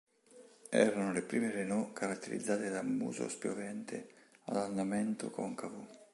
Erano tra le prime Renault caratterizzate dal muso spiovente ad andamento concavo.